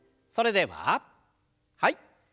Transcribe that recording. それでははい。